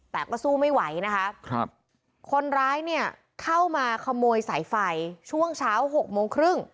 แต่ก็สู้ไม่ไหวนะคะครับคนร้ายเนี่ยเข้ามาขโมยสายไฟช่วงเช้า๖โมงครึ่ง